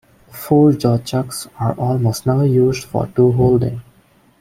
Four-jaw chucks are almost never used for tool holding.